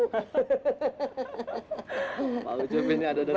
pak ucup ini ada dokternya